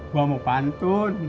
gue mau pantun